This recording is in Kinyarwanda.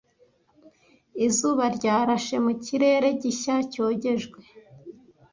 'Izuba ryarashe mu kirere gishya cyogejwe ,